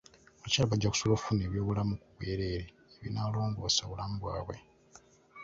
Abakyala bajja kusobola okufuna ebyobulamu ku bwereere ebinaalongoosa obulamu bwabwe.